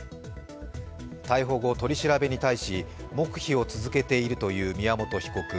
逮捕後取り調べに対し黙秘を続けているという宮本被告。